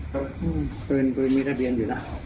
กลืนไม่ได้เรียนอยู่แล้ว